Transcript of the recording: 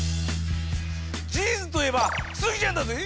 ジーンズといえばスギちゃんだぜぇ